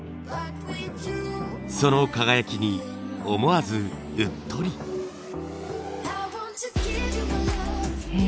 その輝きに思わずうっとり。へ